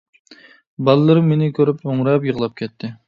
بالىلىرىم مېنى كۆرۈپ ھۆڭرەپ يىغلاپ كەتتى.